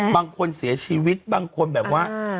บางคนเสียชีวิตบางคนแบบว่า